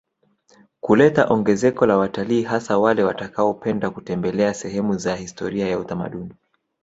Kuleta ongezeko la wataliii hasa wale watakaopenda kutembelea sehemu za historia ya utamaduni